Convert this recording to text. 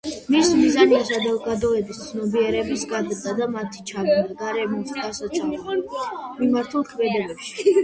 მისი მიზანია საზოგადოების ცნობიერების გაზრდა და მათი ჩაბმა გარემოს დასაცავად მიმართულ ქმედებებში.